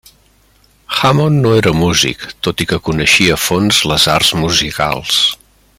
Hammond no era músic, tot i que coneixia a fons les arts musicals.